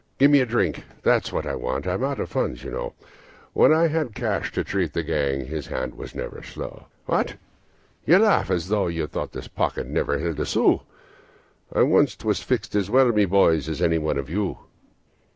"Give me a drink that's what I want I'm out of funds, you know, When I had cash to treat the gang this hand was never slow. What? You laugh as if you thought this pocket never held a sou; I once was fixed as well, my boys, as any one of you.